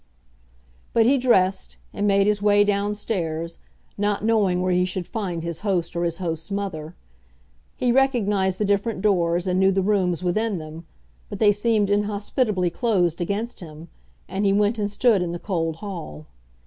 But he dressed, and made his way down stairs, not knowing where he should find his host or his host's mother. He recognised the different doors and knew the rooms within them, but they seemed inhospitably closed against him, and he went and stood in the cold hall.